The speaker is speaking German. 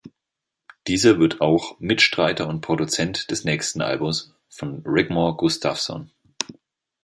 Dieser wird auch Mitstreiter und Produzent des nächsten Albums von Rigmor Gustafsson.